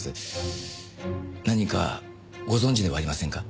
何かご存じではありませんか？